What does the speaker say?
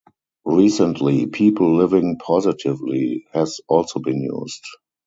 Recently, "People Living Positively" has also been used.